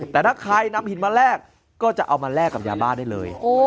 แต่ถ้าใครนำหินมาแลกก็จะเอามาแลกกับยาบ้าได้เลย